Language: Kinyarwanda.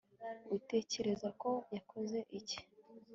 utekereza ko yakoze iki